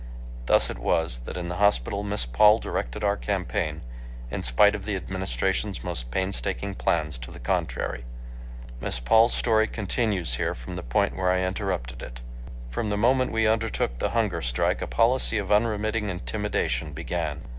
Thus it was that while in the hospital Miss Paul directed our campaign, in spite of the Administration's most painstaking plans to the contrary. Miss Paul's story continues here from the point where I interrupted it. From the moment we undertook the hunger strike, a policy of unremitting intimidation began.